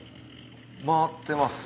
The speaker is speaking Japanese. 回ってます。